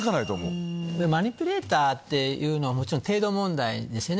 マニピュレーターっていうのはもちろん程度問題ですよね。